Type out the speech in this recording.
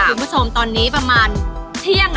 คุณผู้ชมตอนนี้ประมาณเที่ยง